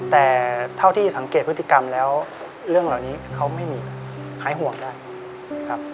แต่เท่าที่สังเกตพฤติกรรมแล้วเรื่องเหล่านี้เขาไม่มีหายห่วงได้ครับ